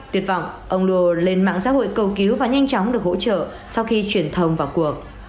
tuyệt vọng ông lô lên mạng xã hội cầu cứu và nhanh chóng được hỗ trợ sau khi truyền thông vào cuộc